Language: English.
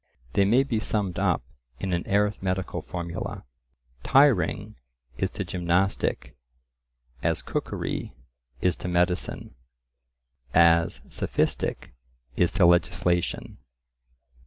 They may be summed up in an arithmetical formula:— Tiring: gymnastic:: cookery: medicine:: sophistic: legislation.